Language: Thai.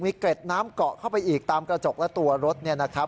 มีเกร็ดน้ำเกาะเข้าไปอีกตามกระจกและตัวรถเนี่ยนะครับ